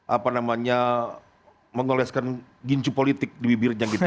apa namanya mengoleskan gincu politik di bibirnya gitu